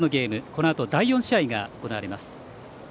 このあと第４試合が行われます。